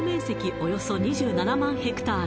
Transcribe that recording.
およそ２７万ヘクタール